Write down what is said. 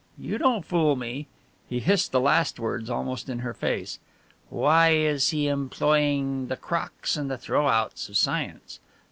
You don't fool me!" He hissed the last words almost in her face. "Why is he employing the crocks and the throw outs of science?